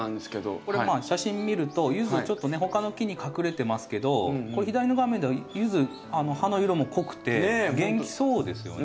これ写真見るとユズちょっとね他の木に隠れてますけどこれ左の画面ではユズ葉の色も濃くて元気そうですよね。